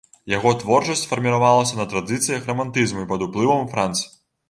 Яго творчасць фарміравалася на традыцыях рамантызму і пад уплывам франц.